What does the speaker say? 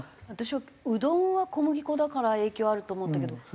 私はうどんは小麦粉だから影響あると思ったけど。